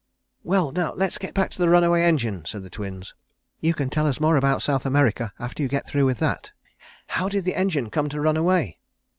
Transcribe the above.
"Well, now, let's get back to the runaway engine," said the Twins. "You can tell us more about South America after you get through with that. How did the engine come to run away?"